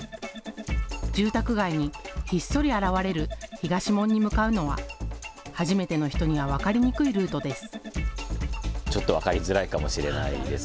住宅街にひっそり現れる東門に向かうのは初めての人には分かりにくいルートです。